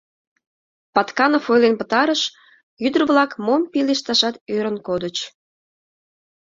Патканов ойлен пытарыш, ӱдыр-влак мом пелешташат ӧрын кодыч.